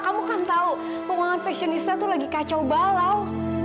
kamu kan tahu keuangan fashionista tuh lagi kacau balau